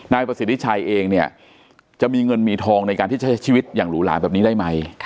ประสิทธิชัยเองเนี่ยจะมีเงินมีทองในการที่ใช้ชีวิตอย่างหรูหลาแบบนี้ได้ไหม